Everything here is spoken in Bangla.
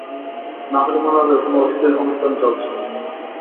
না হলে মনে হবে কোন অশ্লীল অনুষ্ঠান চলছে।